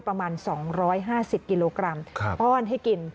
ประมาณ๒๕๐กิโลกรัมป้อนให้กิน